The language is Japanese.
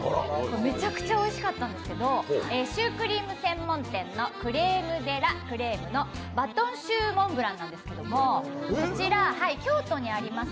めちゃくちゃおいしかったんですけどシュークリーム専門店のクレームデラクレームのバトンシューモンブランなんですけども、こちら京都にあります